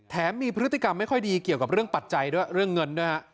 มีพฤติกรรมไม่ค่อยดีเกี่ยวกับเรื่องปัจจัยด้วยเรื่องเงินด้วยฮะ